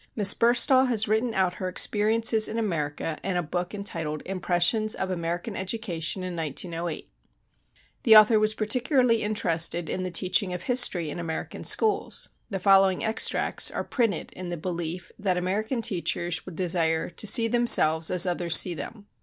Miss Burstall has written out her experiences in America in a book entitled "Impressions of American Education in 1908." The author was particularly interested in the teaching of history in American schools. The following extracts are printed in the belief that American teachers would desire "to see themselves as others see them."